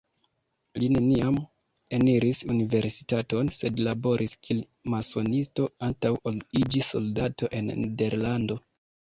Li neniam eniris universitaton, sed laboris kiel masonisto antaŭ ol iĝi soldato en Nederlando.